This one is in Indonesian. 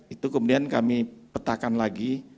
itu kemudian kami petakan lagi